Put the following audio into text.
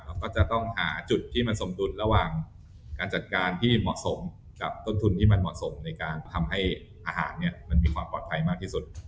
ก็ต้องหาจุดที่มันสมดุลระหว่างการจัดการที่เหมาะสมกับต้นทุนที่มันเหมาะสมในการทำให้อาหารมันมีความปลอดภัยมากที่สุด